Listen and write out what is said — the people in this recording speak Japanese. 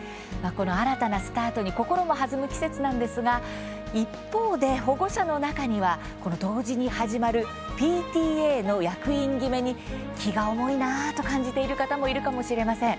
この新たなスタートに心も弾む季節なんですが一方で、保護者の中にはこの同時に始まるＰＴＡの役員決めに気が重いなと感じている方もいるかもしれません。